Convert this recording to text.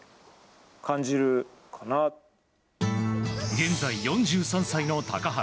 現在４３歳の高原。